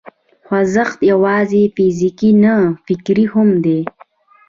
خوځښت یوازې فزیکي نه، فکري هم دی.